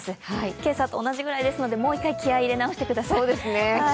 今朝と同じぐらいですのでもう一回気合い入れ直してください。